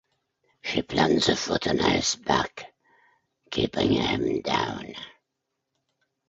She plants a foot on his back, keeping him down.